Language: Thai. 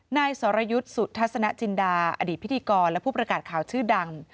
นายสรยุทธ์สุทัศนจินดาอดีตพิธีกรและผู้ประกาศข่าวชื่อดัง